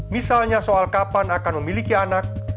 misalnya soal kapan akan memiliki anak